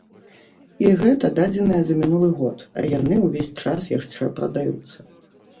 І гэта дадзеныя за мінулы год, а яны ўвесь час яшчэ прадаюцца.